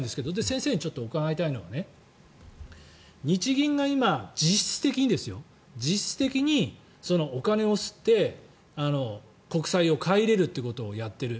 先生に伺いたいのは日銀が今、実質的にですよお金を刷って国債を買い入れるということをやってる。